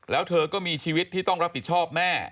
แล้วเธอก็มีชีวิตที่ต้องรับผิดชอบแม่